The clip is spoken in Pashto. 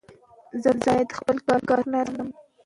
مامورین په خپلو دندو ګمارل کیږي.